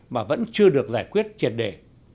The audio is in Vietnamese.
mà vẫn chưa được giải quyết triệt đề